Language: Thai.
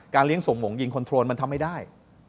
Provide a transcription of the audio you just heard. เลี้ยงส่งหมงยิงคอนโทรลมันทำไม่ได้